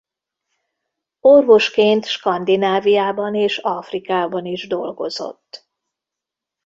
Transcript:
Orvosként Skandináviában és Afrikában is dolgozott.